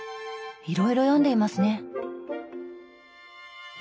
いろいろ読んでいますね。